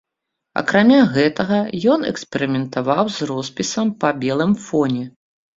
Акрамя гэтага ён эксперыментаваў з роспісам па белым фоне.